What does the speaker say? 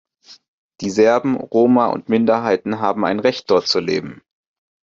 Die Serben, Roma und Minderheiten haben ein Recht, dort zu leben!